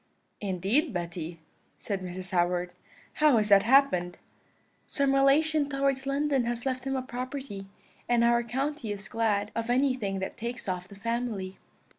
"'Indeed, Betty,' said Mrs. Howard: 'how has that happened?' "'Some relation towards London has left him a property, and our county is glad of anything that takes off the family.'